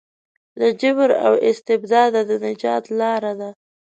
له جبر او استبداده د نجات لاره ده.